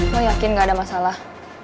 gue yakin gak ada masalah